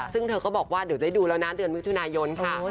ซึ่งเธอก็บอกว่าเดี๋ยวได้ดูแล้วนะเดือนมิถุนายนค่ะ